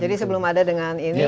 jadi sebelum ada dengan ini